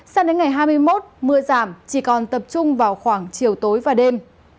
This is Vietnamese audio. sang đến ngày hai mươi một mưa giảm chỉ còn tập trung vào khoảng chiều tối và đêm